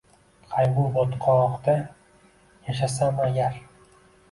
Qaygu botqogida yashasam agar